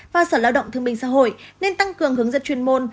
và sở lao động thương minh xã hội nên tăng cường hướng dẫn chuyên môn